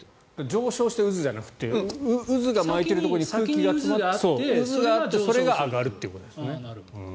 上昇して渦じゃなくて渦が巻いているところに先にあってそれが上がるということですね。